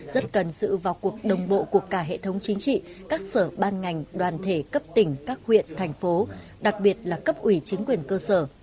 rất cần sự vào cuộc đồng bộ của cả hệ thống chính trị các sở ban ngành đoàn thể cấp tỉnh các huyện thành phố đặc biệt là cấp ủy chính quyền cơ sở